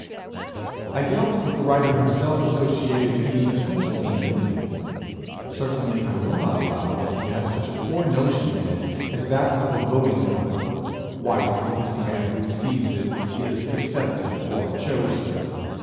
I doubt if the writer himself associated any essential meaning with it. Certainly I will not allow that he had such a poor notion in it as that of a voting pebble white, because the man who receives it is accepted or chosen.